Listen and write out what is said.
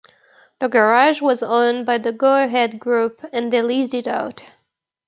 The garage was owned by the Go-Ahead Group and they leased it out.